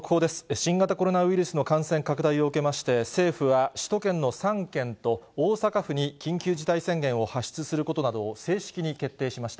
新型コロナウイルスの感染拡大を受けまして、政府は首都圏の３県と、大阪府に緊急事態宣言を発出することなどを正式に決定しました。